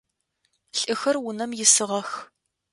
Лӏыхэр унэм исыгъэх.